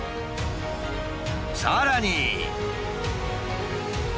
さらに。